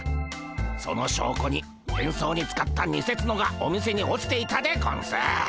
その証拠に変装に使ったにせツノがお店に落ちていたでゴンス。